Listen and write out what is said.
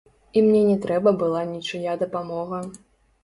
І мне не трэба была нічыя дапамога.